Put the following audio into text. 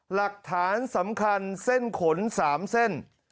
หลักฐานสำคัญเส้นขน๓เส้น